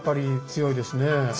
強いですね。